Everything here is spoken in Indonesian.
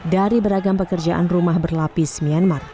dari beragam pekerjaan rumah berlapis myanmar